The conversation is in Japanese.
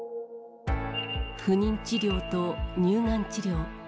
不妊治療と乳がん治療。